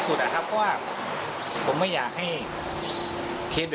ส่งมาขอความช่วยเหลือจากเพื่อนครับ